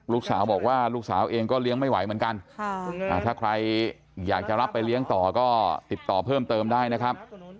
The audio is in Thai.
ลูกสาวบอกว่าลูกสาวเองก็เลี้ยงไม่ไหวเหมือนกันถ้าใครอยากจะรับไปเลี้ยงต่อก็ติดต่อเพิ่มเติมได้นะครับ